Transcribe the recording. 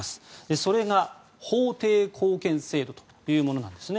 それが法定後見制度というものなんですね。